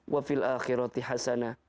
wa fil akhirati hasana